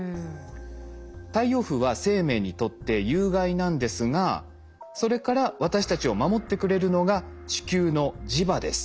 太陽風は生命にとって有害なんですがそれから私たちを守ってくれるのが地球の磁場です。